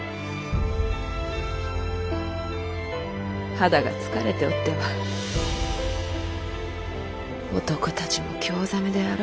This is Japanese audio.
肌が疲れておっては男たちも興ざめであろ。